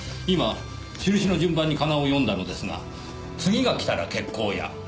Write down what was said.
今印の順番にかなを読んだのですが「次がきたら決行や」